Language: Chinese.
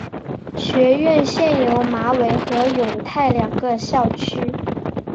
学院现有马尾和永泰两个校区。